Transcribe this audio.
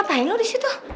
ngapain lo disitu